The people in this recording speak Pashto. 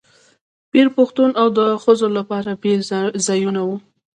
پیر پښتون و او د ښځو لپاره بېل ځایونه وو.